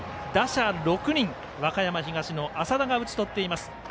打者６人、和歌山東の麻田が打ち取っています。